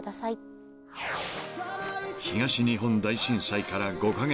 ［東日本大震災から５カ月］